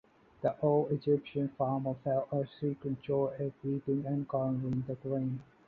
The old Egyptian farmer felt a secret joy at reaping and garnering the grain.